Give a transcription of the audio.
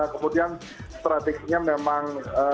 kemudian strateginya memang